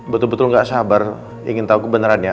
betul betul ga sabar ingin tahu kebenerannya